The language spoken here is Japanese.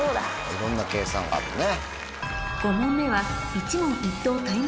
いろんな計算があるね。